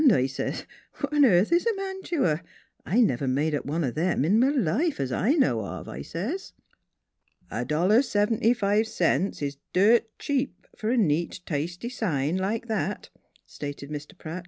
I says, ' what on airth is a man tua ? I never made up one of 'em in m' life, es I know of,' I says." " A dollar 'n' seventy fi' cents is dirt cheap f'r a neat, tasty sign like that," stated Mr. Pratt.